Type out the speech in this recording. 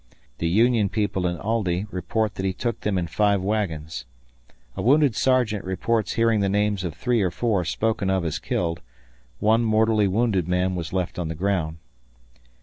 The Union people in Aldie report that he took them in five wagons. A wounded sergeant reports hearing the names of 3 or 4 spoken of as killed; one mortally wounded man was left on the ground.